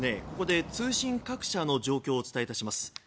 ここで通信各社の状況をお伝え致します。